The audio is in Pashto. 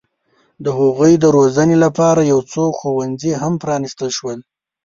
د هغوی د روزنې لپاره یو څو ښوونځي هم پرانستل شول.